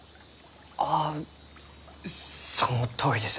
あっそのとおりです。